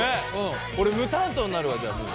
俺「む」担当になるわじゃあもう。